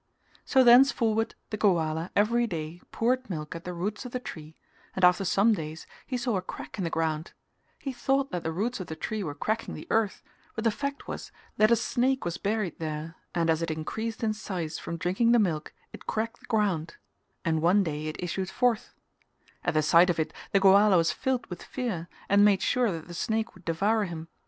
So thenceforward the Goala every day poured milk at the roots of the tree and after some days he saw a crack in the ground; he thought that the roots of the tree were cracking the earth but the fact was that a snake was buried there, and as it increased in size from drinking the milk it cracked the ground and one day it issued forth; at the sight of it the Goala was filled with fear and made sure that the snake would devour him.